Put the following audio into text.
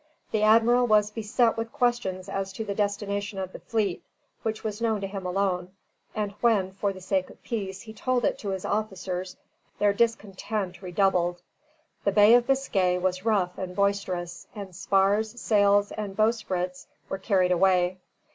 The Admiral was beset with questions as to the destination of the fleet, which was known to him alone; and when, for the sake of peace, he told it to his officers, their discontent redoubled. The Bay of Biscay was rough and boisterous, and spars, sails, and bowsprits were carried away.